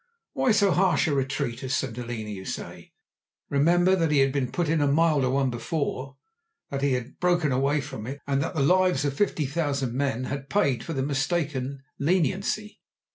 Why so harsh a retreat as St. Helena, you say? Remember that he had been put in a milder one before, that he had broken away from it, and that the lives of fifty thousand men had paid for the mistaken leniency.